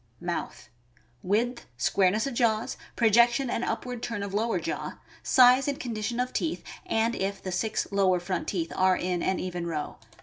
Mouth.— Width, squareness of jaws, projection and up ward turn of lower jaw; size and condition of teeth, and if the six lower front teeth are in an even row.